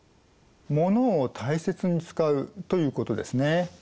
モノを大切に使うということですね。